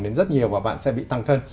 nên rất nhiều và bạn sẽ bị tăng cân